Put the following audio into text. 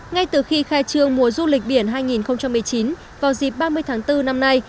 ngay từ khi khai trương mùa du lịch biển hai nghìn một mươi chín vào dịp ba mươi tháng bốn năm nay